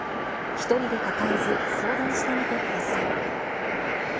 １人で抱えず、相談してみてください。